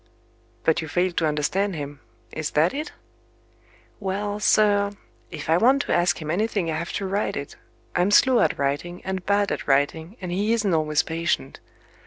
"But you failed to understand him is that it?" "Well, sir, if I want to ask him anything I have to write it. I'm slow at writing, and bad at writing, and he isn't always patient.